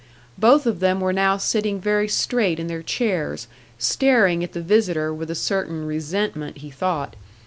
Both of them were now sitting very straight in their chairs, staring at the visitor with a certain resentment, he thought.